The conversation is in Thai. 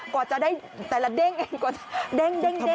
กว่าจะได้แต่ละเด้งแต่ละเด้ง